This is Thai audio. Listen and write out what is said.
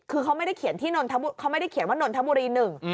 คือเขาไม่ได้เขียนอย่างว่าน้นทบุรีนึง